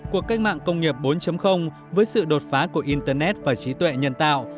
cuộc cách mạng công nghiệp bốn với sự đột phá của internet và trí tuệ nhân tạo